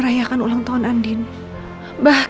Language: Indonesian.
selamat ulang tahun ya